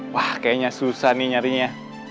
wah kayaknya susah nih nyarinya